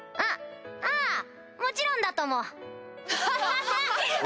ああぁもちろんだとも！